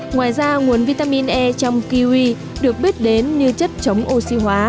ngoài ra nguồn vitamin e trong kiwi được biết đến như chất chống oxy hóa